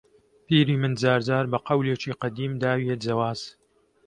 پیری من جار جار بە قەولێکی قەدیم داویە جەواز